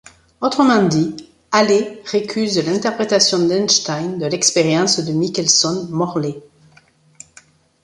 Autrement dit, Allais récuse l’interprétation d’Einstein de l’expérience de Michelson-Morley.